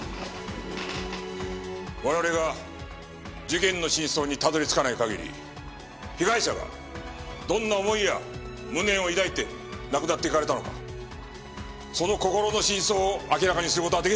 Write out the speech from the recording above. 我々が事件の真相にたどり着かない限り被害者がどんな思いや無念を抱いて亡くなっていかれたのかその心の深層を明らかにする事はできない。